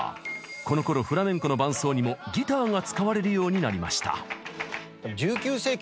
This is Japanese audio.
このころフラメンコの伴奏にもギターが使われるようになりました。